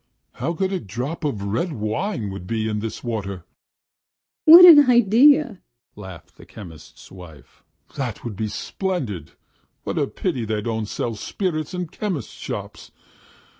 How good a drop of red wine would be in this water!" "What an idea!" laughed the chemist's wife. "That would be splendid. What a pity they don't sell spirits in chemist's shops!